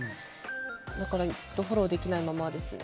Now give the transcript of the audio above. だから、ずっとフォローできないままですね。